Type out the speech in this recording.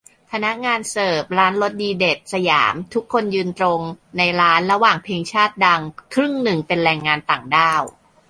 พนักงานเสิร์ฟร้านรสดีเด็ด สยาม ทุกคนยืนตรง ในร้าน ระหว่างเพลงชาติดัง ครึ่งนึงเป็นแรงงานต่างด้าว